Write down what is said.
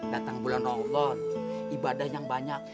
datang bulan ibadah yang banyak